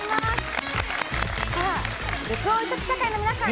緑黄色社会の皆さん